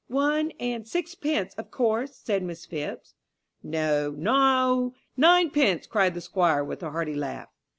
"One and sixpence, of course," said Miss Phipps. "No, no; ninepence," cried the Squire with a hearty laugh.